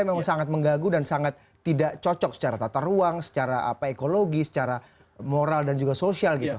memang sangat mengganggu dan sangat tidak cocok secara tata ruang secara ekologi secara moral dan juga sosial gitu